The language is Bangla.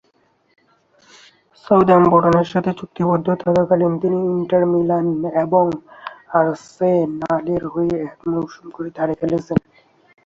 সাউদাম্পটনের সাথে চুক্তিবদ্ধ থাকাকালীন তিনি ইন্টার মিলান এবং আর্সেনালের হয়ে এক মৌসুম করে ধারে খেলেছেন।